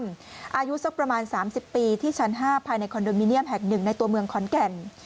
อายุสักประมาณ๓๐ปีที่ชั้น๕ภายในคอนโดมิเนียมแห่ง๑ในตัวเมืองขอนแก่น